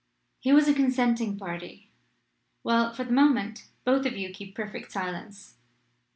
"He was a consenting party. Well; for the moment both of you keep perfect silence.